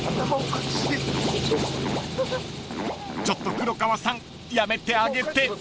［ちょっと黒川さんやめてあげて！］